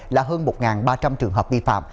là hơn một ba trăm linh trường hợp vi phạm